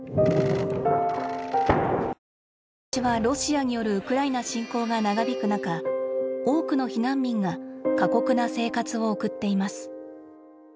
今年はロシアによるウクライナ侵攻が長引く中多くの避難民が過酷な生活を送っています。